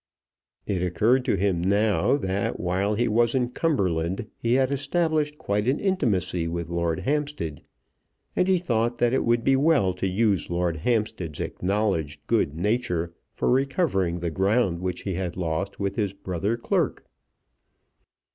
It occurred to him now that while he was in Cumberland he had established quite an intimacy with Lord Hampstead, and he thought that it would be well to use Lord Hampstead's acknowledged good nature for recovering the ground which he had lost with his brother clerk.